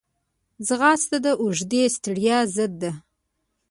ځغاسته د اوږدې ستړیا ضد ده